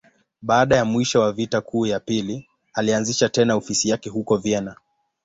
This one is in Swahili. Baada ya mwisho wa Vita Kuu ya Pili, alianzisha tena ofisi yake huko Vienna.